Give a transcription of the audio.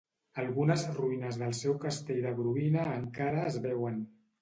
Algunes ruïnes del seu castell de Grobina encara es veuen.